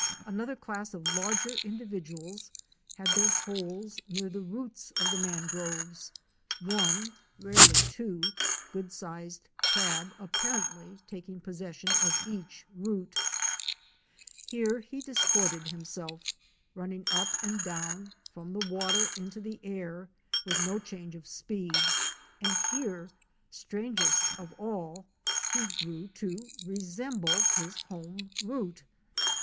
Another class of larger individ uals had their holes near the roots of the mangroves, one (rarely two) good sized crab apparently taking possession of each root. Here he disported himself, running up and down, from the water into the air with no change in speed, and here, strangest of all, he grew to resemble his home root.